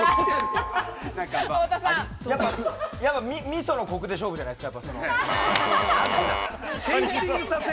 みそのコクで勝負じゃないですか？